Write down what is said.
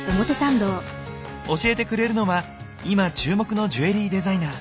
教えてくれるのは今注目のジュエリーデザイナー。